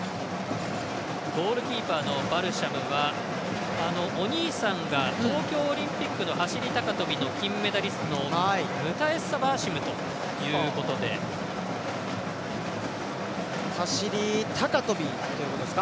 ゴールキーパーのバルシャムはお兄さんが東京オリンピックの走り高跳びの金メダリストということです。